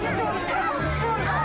betta bang hendrik